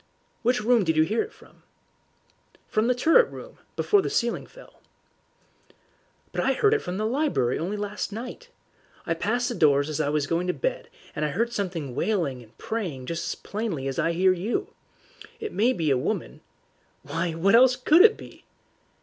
"Which room did you hear it from?" "From the turret room, before the ceiling fell." "But I heard it from the library only last night. I passed the doors as I was going to bed, and I heard something wailing and praying just as plainly as I hear you. It may be a woman " "Why, what else COULD it be?"